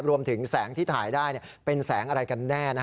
รวมถึงแสงที่ถ่ายได้เป็นแสงอะไรกันแน่